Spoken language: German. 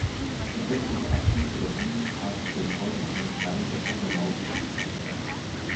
Der östliche Abschnitt der Bundesstraße stellt heute einen Teil der Oder-Lausitz-Straße dar.